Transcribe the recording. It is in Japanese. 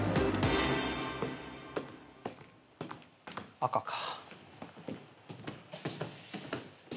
赤か。